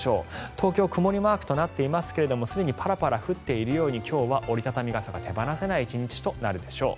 東京、曇りマークですがすでに雨が降っているので今日は折り畳み傘が手放せない１日となるでしょう。